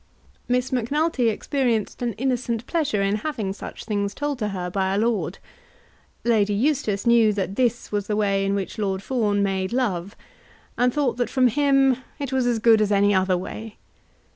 Miss Macnulty experienced an innocent pleasure in having such things told to her by a lord. Lady Eustace knew that this was the way in which Lord Fawn made love, and thought that from him it was as good as any other way.